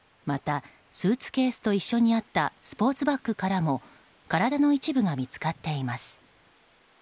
またスーツケースと一緒にあったスポーツバッグからも体の一部が見つかっています。